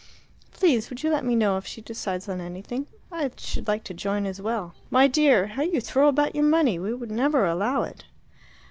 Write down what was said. "Please would you let me know if she decides on anything. I should like to join as well." "My dear, how you throw about your money! We would never allow it."